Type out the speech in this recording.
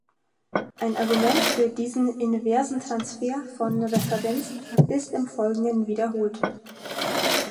Ein Argument für diesen inversen Transfer von Referenz ist im Folgenden wiederholt.